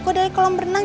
kok dari kolam berenang